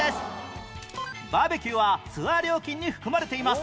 バーベキューはツアー料金に含まれています